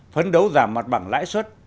phấn đấu giảm mặt bằng lãi suất